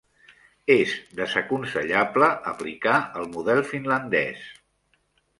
És desaconsellable aplicar el model finlandès.